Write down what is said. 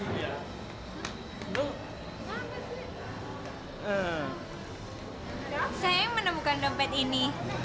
saya menemukan dompet ini